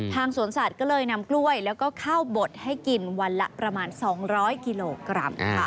สวนสัตว์ก็เลยนำกล้วยแล้วก็ข้าวบดให้กินวันละประมาณ๒๐๐กิโลกรัมค่ะ